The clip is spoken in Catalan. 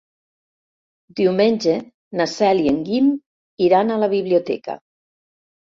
Diumenge na Cel i en Guim iran a la biblioteca.